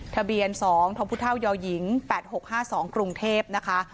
ทะเบียน๒ทพยหญิง๘๖๕๒กรุงเทพนะคะ